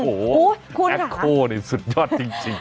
โอ้โหคุณแอคโคนี่สุดยอดจริง